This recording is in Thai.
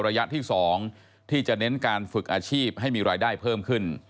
ระยะที่๒ที่จะเน้นการฝึกอาชีพให้มีรายได้เพิ่มขึ้น